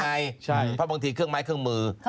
เพราะบางทีเครื่องไม้เครื่องมือ